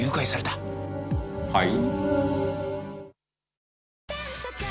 はい？